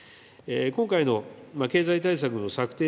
今回の経済対策の策定